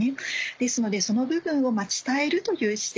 ですのでその部分を伝えるという姿勢